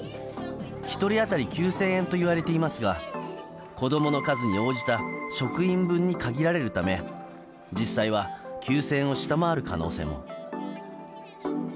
１人当たり９０００円といわれていますが子供の数に応じた職員分に限られるため実際は９０００円を下回る可能性も。